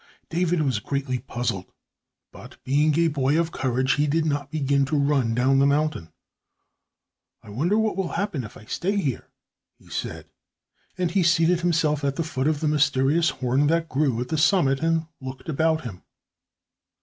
David was greatly puzzled, but, being a boy of courage, he did not begin to run down the mountain. "I wonder what will happen if I stay here," he said, and he seated himself at the foot of the mysterious horn that grew at the summit and looked about him.